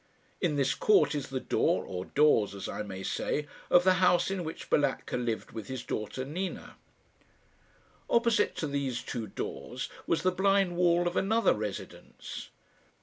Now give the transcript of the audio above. In this court is the door, or doors, as I may say, of the house in which Balatka lived with his daughter Nina. Opposite to these two doors was the blind wall of another residence.